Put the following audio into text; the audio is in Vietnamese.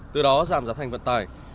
từ đó giảm giá thành vận tải